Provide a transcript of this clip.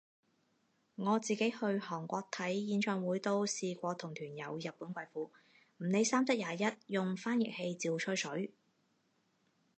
我自己去韓國睇演唱會都試過同團有日本貴婦，唔理三七廿一用翻譯器照吹水